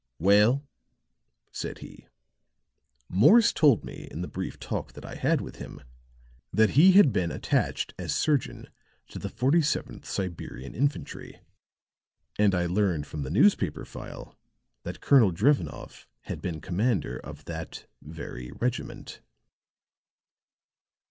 "Well?" said he. "Morse told me, in the brief talk that I had with him, that he had been attached as surgeon to the 47th Siberian infantry; and I learned from the newspaper file that Colonel Drevenoff had been commander of that very regiment."